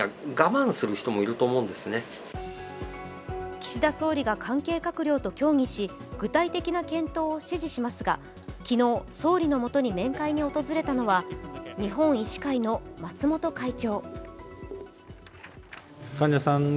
岸田総理が関係閣僚と協議し、具体的な検討を指示しますが、昨日、総理のもとに面会に訪れたのは日本医師会の松本会長。